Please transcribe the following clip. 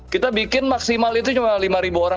kita bikin maksimal itu cuma lima ribu orang